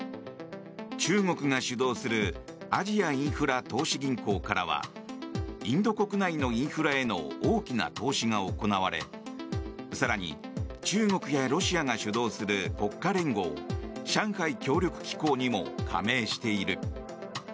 中国が主導するアジアインフラ投資銀行からはインド国内のインフラへの大きな投資が行われ更に、中国やロシアが主導する国家連合上海協力機構にも加盟している。